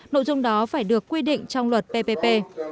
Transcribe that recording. nội dung đó phải được quy định trong luật ppp